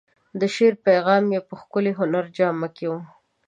د شعر پیغام یې په ښکلې هنري جامه کې و.